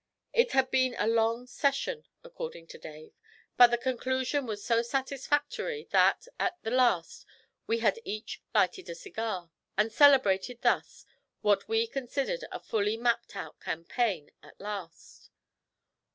It had been a long 'session,' according to Dave, but the conclusion was so satisfactory that, at the last, we had each lighted a cigar, and celebrated thus what we considered a fully mapped out campaign at last.